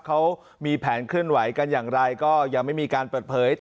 เขามีแผนเคลื่อนไหวกันอย่างไรก็ยังไม่มีการเปิดเผย